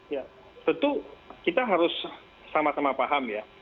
ya tentu kita harus sama sama paham ya